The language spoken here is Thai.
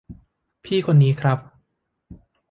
พี่คนนี้ครับ